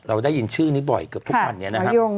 เราได้ยินชื่อนี้บ่อยเกือบทุกวันนี้นะครับ